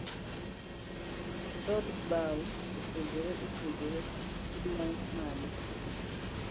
Dhood bau opogore opogore, idua mane?